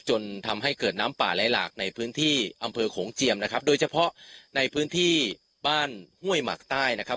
จนทำให้เกิดน้ำป่าไหลหลากในพื้นที่อำเภอโขงเจียมนะครับโดยเฉพาะในพื้นที่บ้านห้วยหมากใต้นะครับ